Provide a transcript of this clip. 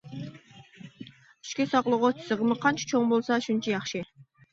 ئىچكى ساقلىغۇچ سىغىمى قانچە چوڭ بولسا، شۇنچە ياخشى.